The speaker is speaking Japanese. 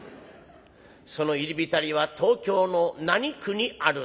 「その『入り浸り』は東京の何区にあるんだ？」。